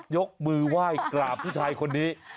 ยกมือไหว้กราบผู้ชายคนนี้